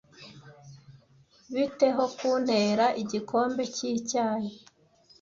Bite ho kuntera igikombe cyicyayi?